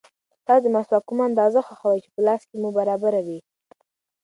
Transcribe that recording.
تاسو د مسواک کومه اندازه خوښوئ چې په لاس کې مو برابر وي؟